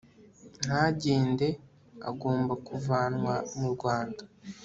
ntagende agomba kuvanwa mu rwanda